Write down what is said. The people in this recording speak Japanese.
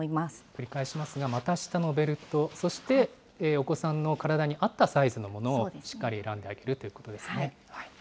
繰り返しますが、股下のベルト、そしてお子さんの体に合ったサイズのものをしっかり選んであげるということですね。